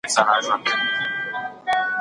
هغه خبره چي غریب یې کوي نه اوریدل کیږي.